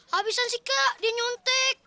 habisan sih kak dinyontek